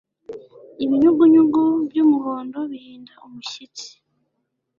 Ibinyugunyugu byumuhondo bihinda umushyitsi